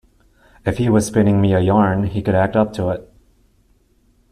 If he was spinning me a yarn he could act up to it.